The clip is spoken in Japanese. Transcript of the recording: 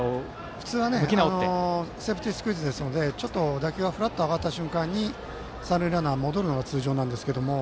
普通はセーフティースクイズなので打球はふらっと上がった瞬間に三塁ランナーは戻るのが通常なんですけれども。